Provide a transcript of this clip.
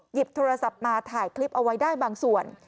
หยิบโทรศัพท์มาถ่ายคลิปเอาไว้ได้บางส่วน